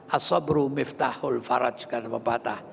as sobru miftahul farajqan wa bapata